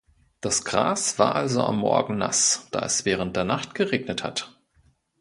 Das Gras war also am Morgen nass, da es während der Nacht geregnet hat.